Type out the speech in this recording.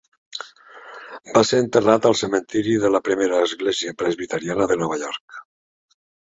Va ser enterrat al cementiri de la primera església presbiteriana de Nova York.